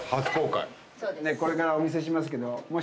これからお見せしますけどもしね。